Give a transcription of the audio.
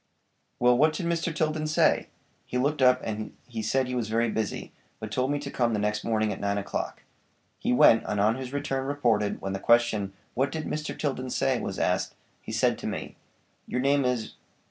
'" "Well, what did Mr. Tilden say?" "He looked up and said he was busy, but told me to come the next morning at nine o'clock." He went, and on his return reported, when the question: "What did Mr. Tilden say"? was asked. "He said to me, 'Your name is